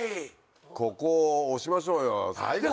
ここを推しましょうよ。